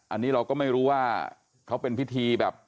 อันนี้เราก็ไม่รู้ว่าเขาเป็นพิธีแบบ